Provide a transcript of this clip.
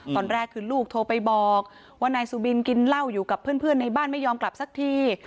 ตอนแรกคือลูกโทรไปบอกว่านายสุบินกินเหล้าอยู่กับเพื่อนในบ้านไม่ยอมกลับสักที